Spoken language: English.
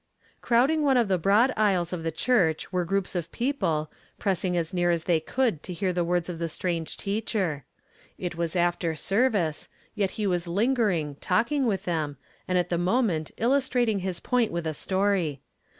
Crowding one of the broad aisles of the church were groups of people, i)ressing as near as they could to hear the words of the strange teacher. It was after service ; yet he was lingering, talk ing with them, and at the moment illustrating his point with a stoiy.